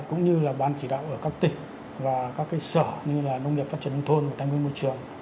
cũng như là ban chỉ đạo ở các tỉnh và các sở như là nông nghiệp phát triển nông thôn tài nguyên môi trường